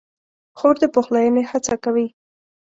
خور د پخلاینې هڅه کوي.